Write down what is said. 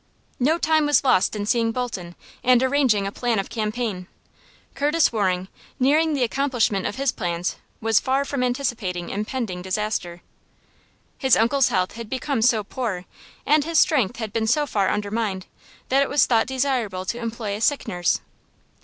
No time was lost in seeing Bolton and arranging a plan of campaign. Curtis Waring, nearing the accomplishment of his plans, was far from anticipating impending disaster. His uncle's health had become so poor, and his strength had been so far undermined, that it was thought desirable to employ a sick nurse.